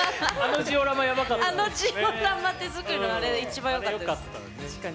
あのジオラマ、手作りのあれ一番よかったです。